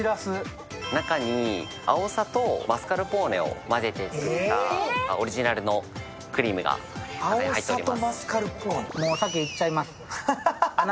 中にあおさとマスカルポーネを混ぜたオリジナルのクリームが入っています。